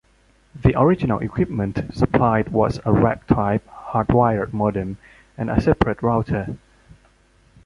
The original equipment supplied was a rack-type hard-wired modem and a separate router.